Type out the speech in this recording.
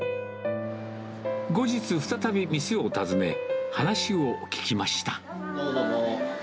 後日、再び店を訪ね、話を聞きました。